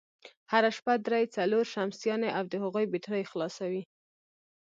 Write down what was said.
هره شپه درې، څلور شمسيانې او د هغوی بېټرۍ خلاصوي،